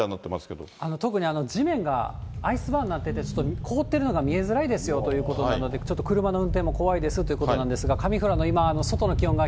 特に地面がアイスバーンになってて、凍ってるのが見えづらいですよということなので、ちょっと車の運転も怖いですよということなんですが、上富良野、